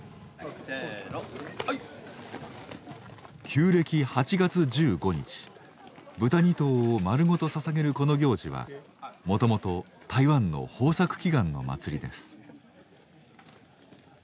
旧暦８月１５日ブタ２頭を丸ごとささげるこの行事はもともと台湾の豊作祈願の祭りです。